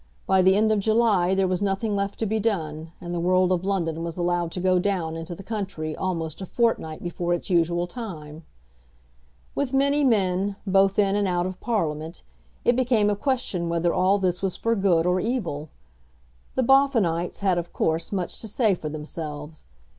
By the end of July there was nothing left to be done, and the world of London was allowed to go down into the country almost a fortnight before its usual time. With many men, both in and out of Parliament, it became a question whether all this was for good or evil. The Boffinites had of course much to say for themselves.